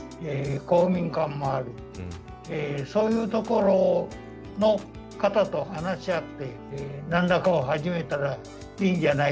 そういうところの方と話し合って何らかを始めたらいいんじゃないかなと思います。